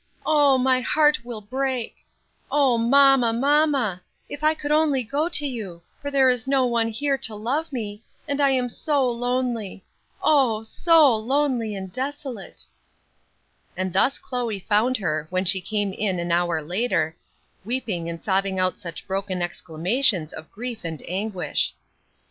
Oh! my heart will break. O mamma, mamma! if I could only go to you; for there is no one here to love me, and I am so lonely, oh! so lonely and desolate." And thus Chloe found her, when she came in an hour later, weeping and sobbing out such broken exclamations of grief and anguish.